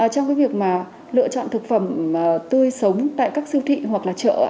trong cái việc mà lựa chọn thực phẩm tươi sống tại các siêu thị hoặc là chợ